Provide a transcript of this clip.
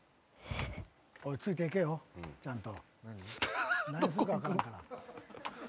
ついていけよちゃんと。